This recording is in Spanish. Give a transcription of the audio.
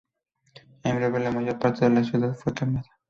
En breve, la mayor parte de la ciudad fue quemada.